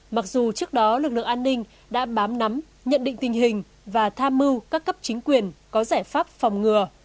mặc dù trước đó lực lượng an ninh đã bám nắm nhận định tình hình và tham mưu các cấp chính quyền có giải pháp phòng ngừa